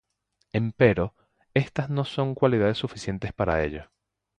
Empero, estas no son cualidades suficientes para ello.